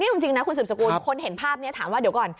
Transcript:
เอาจริงนะคุณสืบสกุลคนเห็นภาพนี้ถามว่าเดี๋ยวก่อน